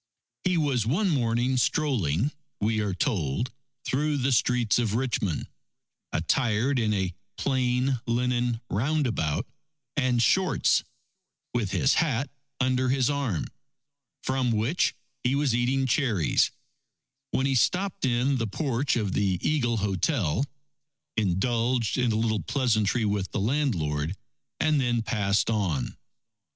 He was one morning strolling, we are told, through the streets of Richmond, attired in a plain linen roundabout and shorts, with his hat under his arm, from which he was eating cherries, when he stopped in the porch of the Eagle Hotel, indulged in a little pleasantry with the landlord, and then passed on.